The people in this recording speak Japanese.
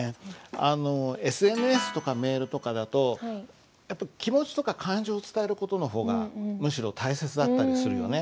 あのＳＮＳとかメールとかだとやっぱ気持ちとか感情を伝える事の方がむしろ大切だったりするよね。